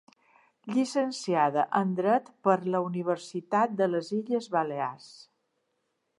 Llicenciada en dret per la Universitat de les Illes Balears.